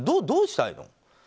どうしたいの？